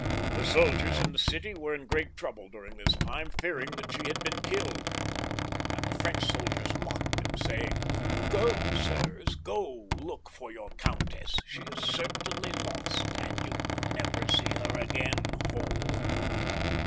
Her soldiers in the city were in great trouble during this time, fearing that she had been killed, and the French soldiers mocked them, saying —'* Go, sirs ; go look for your countess ; she is certainly lost, and you will never see her again whole."